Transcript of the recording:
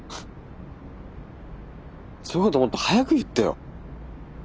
そういうこともっと早く言ってよ。